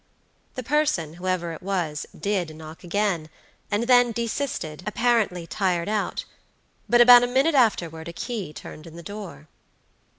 The person, whoever it was, did knock again, and then desisted, apparently tired out; but about a minute afterward a key turned in the door.